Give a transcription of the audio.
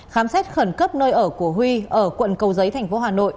khám xét khẩn cấp nơi ở của huy ở quận cầu giấy tp hcm